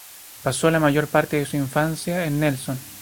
Pasó la mayor parte de su infancia en Nelson.